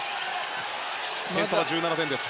点差は１７点です。